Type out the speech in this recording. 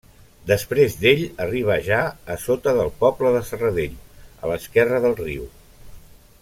Després d'ell arriba ja a sota del poble de Serradell, a l'esquerra del riu.